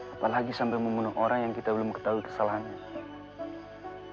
apalagi sampai membunuh orang yang kita belum ketahui kesalahannya